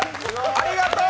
ありがとう。